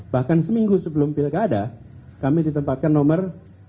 bahkan seminggu sebelum pilkada kami ditempatkan nomor